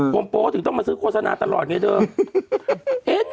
มโป๊ถึงต้องมาซื้อโฆษณาตลอดไงเดิม